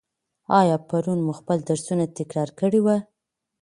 آیا پرون مو خپل درسونه تکرار کړي وو؟